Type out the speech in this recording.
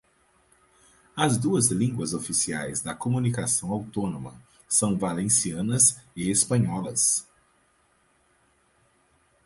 As duas línguas oficiais da comunidade autônoma são valencianas e espanholas.